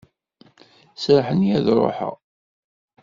Serrḥen-iyi ad ruḥeɣ.